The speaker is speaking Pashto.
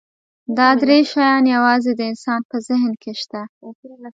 دا درې شیان یواځې د انسان په ذهن کې شته.